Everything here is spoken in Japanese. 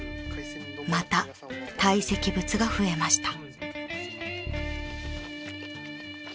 ［また堆積物が増えました］